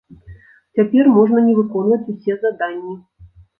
Цяпер можна не выконваць усе заданні.